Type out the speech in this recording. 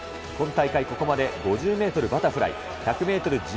今大会、ここまで５０メートルバタフライ、１００メートル